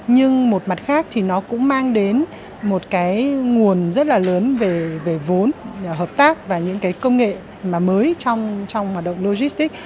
nhưng một mặt khác thì nó cũng mang đến một nguồn rất lớn về vốn hợp tác và những công nghệ mới trong hoạt động logistic